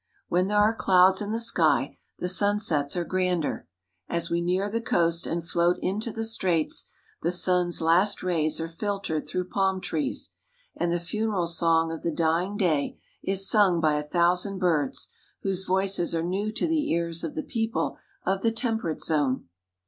When there are clouds in the sky, the sunsets are grander. As we near the coast and float into the Straits, the sun's last rays are filtered through palm trees ; and the funeral song of the dying day is sung by a thousand birds, whose voices are new to the ears of the people of the Temperate Zone.